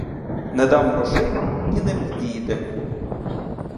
Не дам грошей, і не підійде.